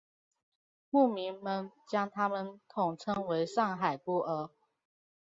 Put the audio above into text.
牧民们将他们统称为上海孤儿。